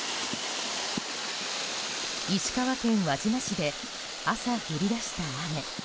石川県輪島市で朝降り出した雨。